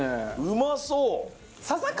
うまそう！